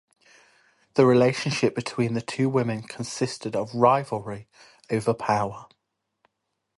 The relationship between the two women consisted of rivalry over power.